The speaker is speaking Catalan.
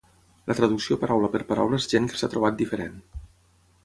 La traducció paraula per paraula és gent que s'ha trobat diferent.